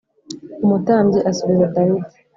Umutambyi asubiza Dawidi